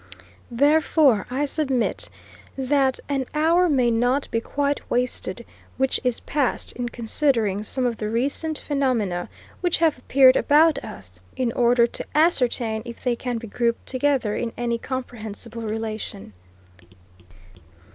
Therefore, I submit, that an hour may not be quite wasted which is passed in considering some of the recent phenomena which have appeared about us, in order to ascertain if they can be grouped together in any comprehensible relation.